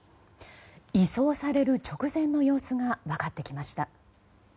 移送される直前の様子が分かってきました。